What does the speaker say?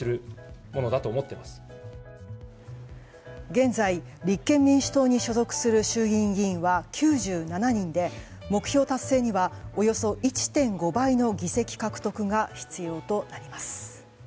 現在、立憲民主党に所属する衆議院議員は９７人で目標達成には、およそ１．５倍の議席獲得が必要となります。